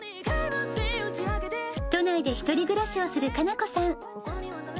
都内で１人暮らしをする可奈子さん。